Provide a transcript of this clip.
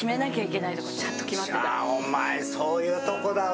お前そういうとこだわ！